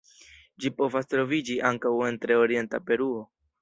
Ĝi povas troviĝi ankaŭ en tre orienta Peruo.